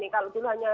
kalau dulu hanya